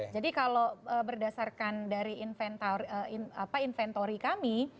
jadi kalau berdasarkan dari inventory kami